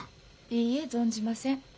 いいえ存じません。